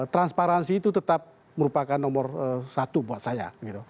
transparansi itu tetap merupakan nomor satu buat saya